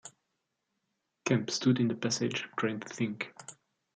Kemp stood in the passage trying to think.